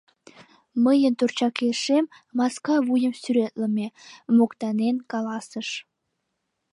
Мйын торчакешем маска вуйым сӱретлыме, — моктанен каласыш.